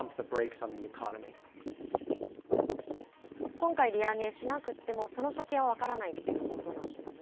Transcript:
今回利上げしなくても、その先は分からないということなんですね。